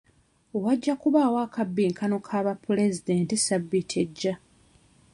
Wajja kubaawo akabbinkano ka ba pulezidenti ssabbiiti ejja.